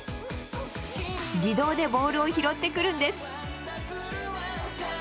自動でボールを拾ってくるんです。